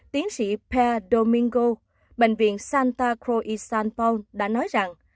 tiến sĩ per domingo bệnh viện santa cruz san paolo đã nói rằng